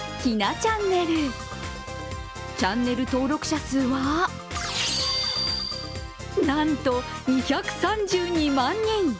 チャンネル登録者数はなんと２３２万人。